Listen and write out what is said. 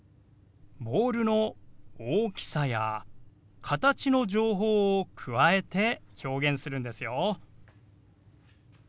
ボールの大きさや形の情報を加えて表現するんですよ。